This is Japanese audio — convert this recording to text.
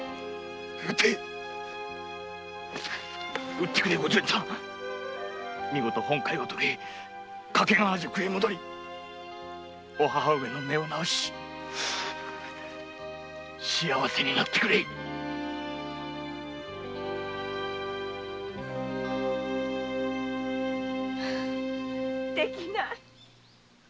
討ってくれお順ちゃんみごとに本懐を遂げて掛川に帰り母上の目を治し幸せになってくれできない。